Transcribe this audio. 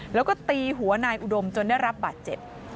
แล้วก็ตีหัวนายอุดมจนได้รับบาดเจ็บ